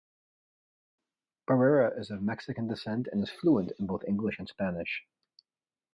Barrera is of Mexican descent and is fluent in both English and Spanish.